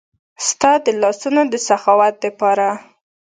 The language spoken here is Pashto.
ستا د لاسونو د سخاوت د پاره